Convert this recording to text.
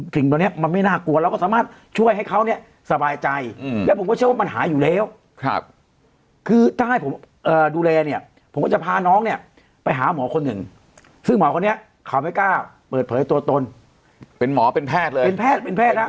ตัวนี้มันไม่น่ากลัวเราก็สามารถช่วยให้เขาเนี่ยสบายใจแล้วผมก็เชื่อว่ามันหายอยู่แล้วคือถ้าให้ผมดูแลเนี่ยผมก็จะพาน้องเนี่ยไปหาหมอคนหนึ่งซึ่งหมอคนนี้เขาไม่กล้าเปิดเผยตัวตนเป็นหมอเป็นแพทย์เลยเป็นแพทย์เป็นแพทย์แล้ว